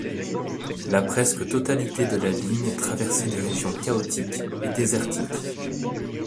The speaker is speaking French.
La presque totalité de la ligne traversait des régions chaotiques et désertiques.